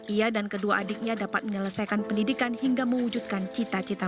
ia dan kedua adiknya dapat menyelesaikan pendidikan hingga mewujudkan cita cita